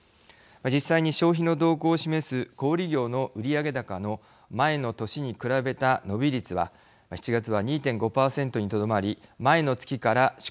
実際に消費の動向を示す小売業の売上高の前の年に比べた伸び率は７月は２．５％にとどまり前の月から縮小。